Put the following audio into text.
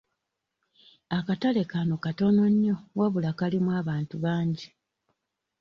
Akatale kano katono nnyo wabula kalimu abantu bangi.